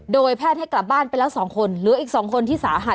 โดยแพทย์ให้กลับบ้านไปแล้ว๒คนเหลืออีก๒คนที่สาหัส